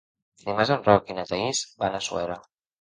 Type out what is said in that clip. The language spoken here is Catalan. Dimarts en Roc i na Thaís van a Suera.